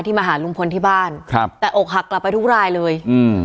มาหาลุงพลที่บ้านครับแต่อกหักกลับไปทุกรายเลยอืม